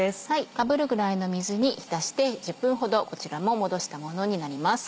かぶるぐらいの水に浸して１０分ほどこちらももどしたものになります。